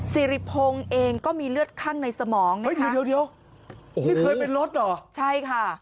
สิริพงศ์เองก็มีเลือดข้างในสมองนะเดี๋ยวนี่เคยเป็นรถเหรอใช่ค่ะ